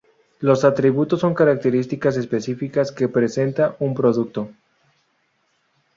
Los atributos son características específicas que presenta un producto.